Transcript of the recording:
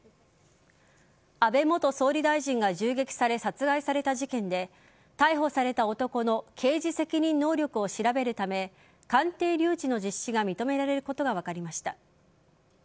安倍元総理大臣が銃撃され殺害された事件で逮捕された男の刑事責任能力を調べるため鑑定留置の実施が認められることが分かりました。